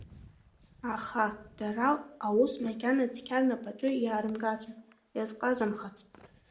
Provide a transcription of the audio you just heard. Аха, дара аус макьана цқьа рнапаҿы иаарымгацт, иазҟазамхацт.